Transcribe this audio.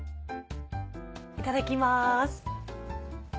いただきます。